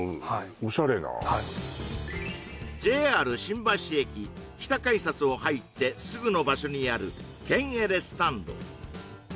オシャレなＪＲ新橋駅北改札を入ってすぐの場所にあるケンエレスタンド